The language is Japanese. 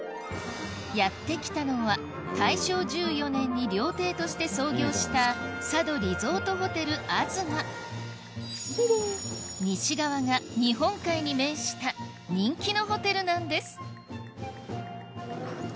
やって来たのは大正１４年に料亭として創業した西側が日本海に面した人気のホテルなんです